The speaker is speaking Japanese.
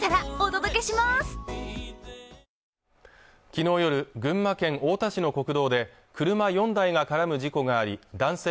昨日夜、群馬県太田市の国道で車４台が絡む事故があり男性